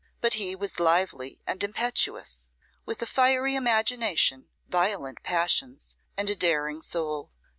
But he was lively and impetuous, with a fiery imagination, violent passions, and a daring soul.